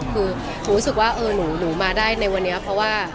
คือหนูรู้สึกว่าหนูมาได้ในวันนี้เพราะว่า